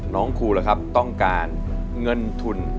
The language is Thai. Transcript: น้องครูหรือครับต้องการเงินทุน